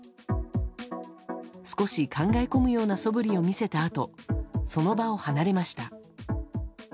少し考え込むようなそぶりを見せたあとその場を離れました。